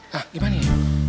hah gimana ya